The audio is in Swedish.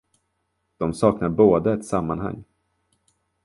De saknar båda ett sammanhang.